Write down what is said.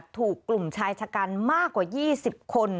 ถูกกลุ่มชายชะกันมากกว่า๒๐คน